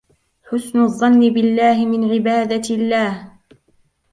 حُسْنُ الظَّنِّ بِاَللَّهِ مِنْ عِبَادَةِ اللَّهِ